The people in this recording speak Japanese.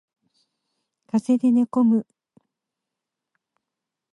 風邪で寝込む